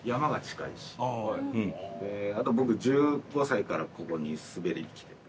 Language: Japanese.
僕１５歳からここに滑りに来てて。